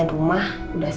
itu waktu hemeng